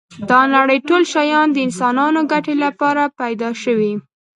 دا نړی ټول شیان د انسانانو ګټی لپاره پيدا شوی